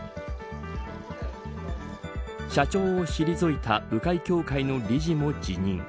社長を退いた鵜飼協会の理事も辞任。